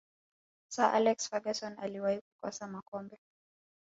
sir alex ferguson aliwahi kukosa makombe